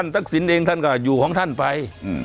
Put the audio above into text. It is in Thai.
ฐักษินตร์เองก็อยู่ของท่านไป